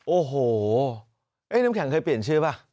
โอ้โหน้ำแข็งเคยเปลี่ยนชื่อป่ะ